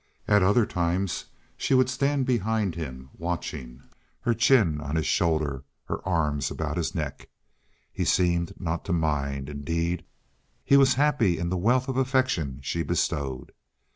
At other times she would stand behind him watching, her chin on his shoulder, her arms about his neck. He seemed not to mind—indeed, he was happy in the wealth of affection she bestowed.